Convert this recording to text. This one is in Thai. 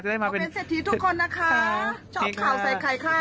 เขาเป็นเศรษฐีทุกคนนะคะชอบข่าวใส่ไข่ค่ะ